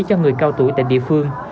cho người cao tuổi tại địa phương